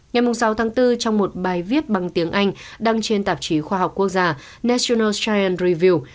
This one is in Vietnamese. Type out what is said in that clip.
ngày sáu tháng bốn trong một bài viết bằng tiếng anh đăng trên tạp chí khoa học quốc gia natuno trien review